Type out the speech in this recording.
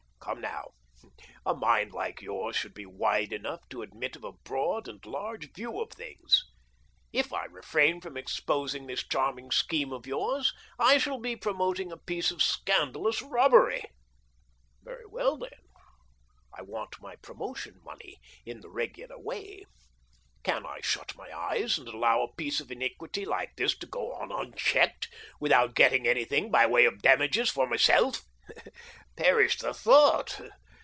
Come now, a mind like yours should be wide enough to admit of a broad and large view of things. If I refrain from exposing this charming scheme of yours I shall be pro moting a piece of scandalous robbery. Very well I I ''AVALANCHE BICYCLE AND TYBE CO., LTDr 191 then, I want my promotion money, in the regular way. Can I shut my eyes and allow a piece of iniquity like this to go on unchecked, without getting anything by way of damages for myself ? Perish the thought